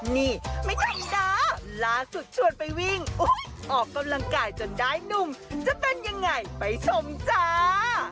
นี่ไม่ทันด้าล่าสุดชวนไปวิ่งออกกำลังกายจนได้หนุ่มจะเป็นยังไงไปชมจ้า